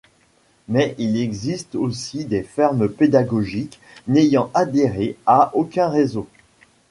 Mais il existe aussi des fermes pédagogiques n'ayant adhéré à aucun réseau.